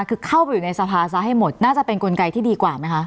คือเข้าไปอยู่ในสภาซะให้หมดน่าจะเป็นกลไกที่ดีกว่าไหมคะ